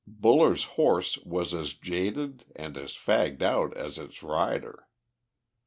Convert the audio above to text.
Buller's horse was as jaded and as fagged out as its rider.